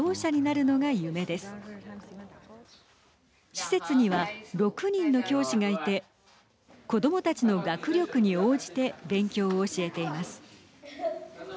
施設には６人の教師がいて子どもたちの学力に応じて勉強を教えています。